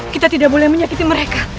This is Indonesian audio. kita tidak boleh menyakiti mereka